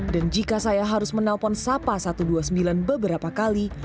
dan jika saya harus menelpon sapa satu ratus dua puluh sembilan beberapa kali